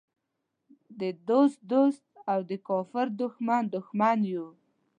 د دوست دوست او د کافر دښمن دښمن یو.